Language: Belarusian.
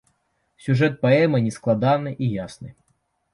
Сюжэт паэмы нескладаны і ясны.